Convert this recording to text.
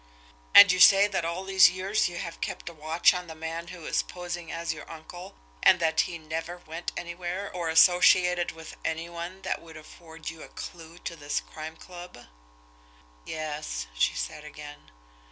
"And you say that all these years you have kept a watch on the man who is posing as your uncle, and that he never went anywhere, or associated with any one, that would afford you a clew to this Crime Club?" "Yes," she said again.